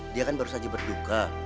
dia kan baru saja berduka